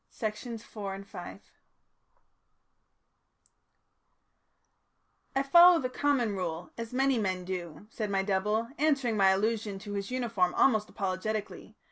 Section 4 "I follow the Common Rule, as many men do," said my double, answering my allusion to his uniform almost apologetically.